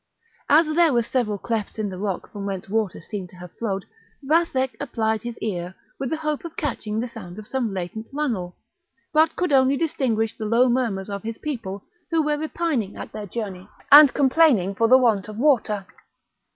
As there were several clefts in the rock from whence water seemed to have flowed, Vathek applied his ear, with the hope of catching the sound of some latent runnel, but could only distinguish the low murmurs of his people, who were repining at their journey, and complaining for the want of water.